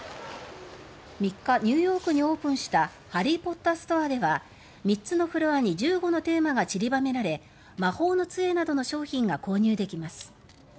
３日ニューヨークにオープンしたハリー・ポッターストアでは３つのフロアに１５のテーマが散りばめられ魔法の杖などの商品が購入できます。